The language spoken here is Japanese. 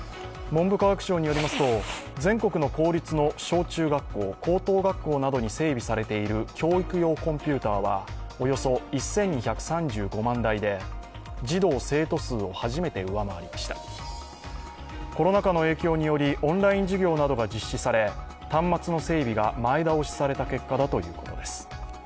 文部科学省によりますと全国の公立の小中学校・高等学校などに整備されている教育用コンピューターはおよそ１２３５万台で児童・生徒数を初めて上回りましたコロナ禍の影響によりオンライン授業などが実施され、端末の整備が前倒しされた結果だということです。